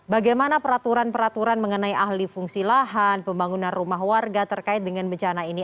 bagaimana peraturan peraturan mengenai ahli fungsi lahan pembangunan rumah warga terkait dengan bencana ini